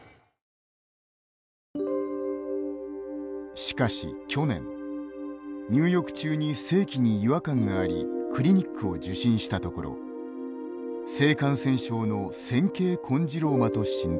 しかし、去年入浴中に性器に違和感がありクリニックを受診したところ性感染症の尖圭コンジローマと診断。